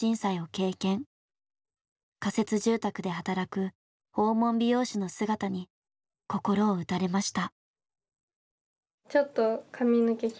仮設住宅で働く訪問美容師の姿に心を打たれました。